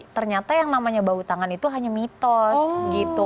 ternyata yang namanya bau tangan itu hanya mitos gitu